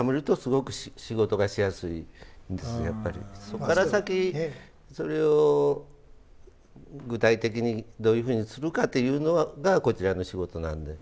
そこから先それを具体的にどういうふうにするかというのがこちらの仕事なんで。